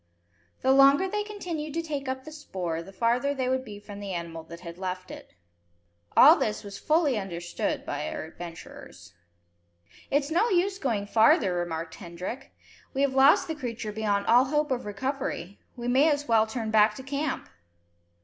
The longer they continued to take up the spoor, the farther they would be from the animal that had left it. All this was fully understood by our adventurers. "It's no use going farther," remarked Hendrik. "We have lost the creature beyond all hope of recovery. We may as well turn back to camp."